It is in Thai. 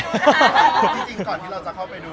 จริงก่อนที่เราจะเข้าไปดู